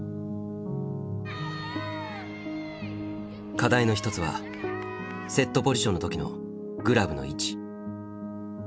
課題の一つはセットポジションの時のグラブの位置。